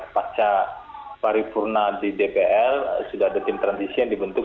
pada hari purnah di dpr sudah ada tim transisi yang dibentuk